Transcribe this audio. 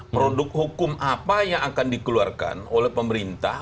produk hukum apa yang akan dikeluarkan oleh pemerintah